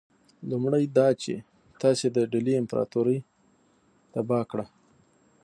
لومړی دا چې تاسي د ډهلي امپراطوري تباه کړه.